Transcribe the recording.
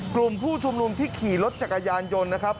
กลุ่มผู้ชุมนุมที่ขี่รถจักรยานยนต์นะครับ